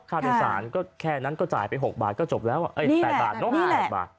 ค่ะโดยสารก็แค่นั้นก็จ่ายไปหกบาทก็จบแล้วเอ้ยแปดบาทเนอะนี่แหละ